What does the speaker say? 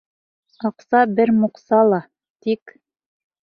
Аҡса бер муҡса ла, тик...